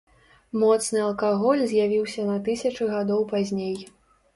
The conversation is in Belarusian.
Моцны алкаголь з'явіўся на тысячы гадоў пазней.